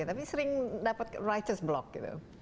tapi sering dapat rightes block gitu